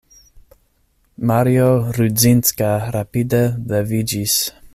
Mario Rudzinska rapide leviĝis.